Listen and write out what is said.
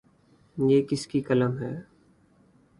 یہ کس کی قلم ہے ؟